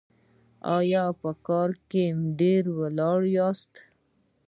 ایا په کار کې ډیر ولاړ یاست؟